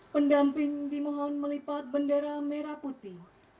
pendamping dimohon melipat bendera merah putih